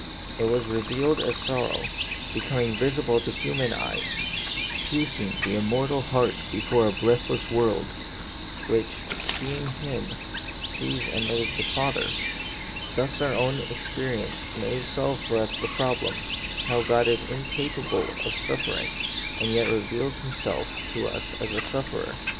It was revealed as sor row, becoming visible to human eyes ; pierc ing the immortal heart before a breathless world, which, seeing Him, sees and knows the Father. Thus our own experience may solve for us the problem, how God is incapable of suffer The Mystery of Pain, 41 ing, and yet reveals Himself to us as a sufferer.